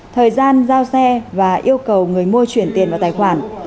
thời gian giao xe và yêu cầu người mua chuyển tiền vào tài khoản